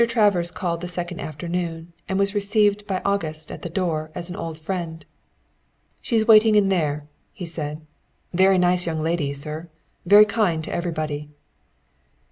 Travers called the second afternoon and was received by August at the door as an old friend. "She's waiting in there," he said. "Very nice young lady, sir. Very kind to everybody."